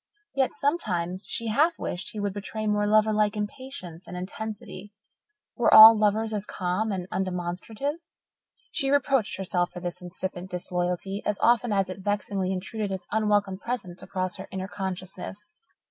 Yet sometimes she half wished he would betray more lover like impatience and intensity. Were all lovers as calm and undemonstrative? She reproached herself for this incipient disloyalty as often as it vexingly intruded its unwelcome presence across her inner consciousness.